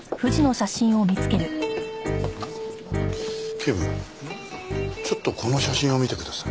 警部ちょっとこの写真を見てください。